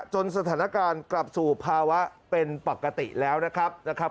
สถานการณ์กลับสู่ภาวะเป็นปกติแล้วนะครับ